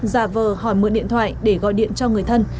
giả vờ hỏi mượn điện thoại để gọi điện cho người thân